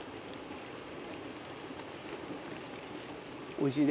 おいしい？